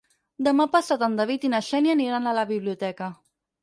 Demà passat en David i na Xènia aniran a la biblioteca.